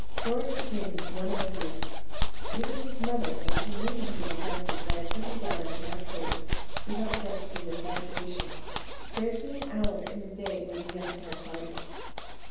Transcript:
Doris became his one idea. Even his mother, while she knew he was attracted by a pretty daughter of Mark Brace, did not guess his infatuation. Scarcely an hour in the day were the young pair parted.